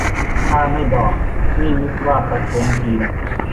ถ้าไม่บอกนี่นึกว่าประท้วงจีน